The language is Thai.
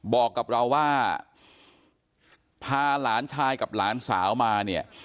บอกกับเราว่าพาหลานชายกับหลานสาวมาเนี่ย